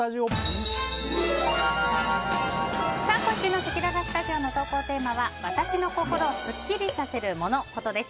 今週のせきららスタジオの投稿テーマは私の心をスッキリさせるモノ・コトです。